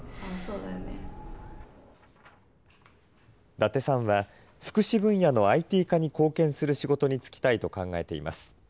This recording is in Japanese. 伊達さんは、福祉分野のＩＴ化に貢献する仕事に就きたいと考えています。